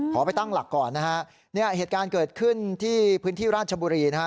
ไปตั้งหลักก่อนนะฮะเนี่ยเหตุการณ์เกิดขึ้นที่พื้นที่ราชบุรีนะฮะ